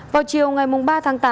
vào chiều ngày ba tháng tám